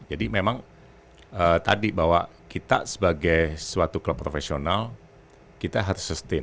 jadi memang tadi bahwa kita sebagai suatu klub profesional kita harus sustain